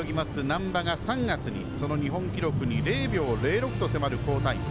難波が３月にその日本記録に０秒０６と迫る好タイム。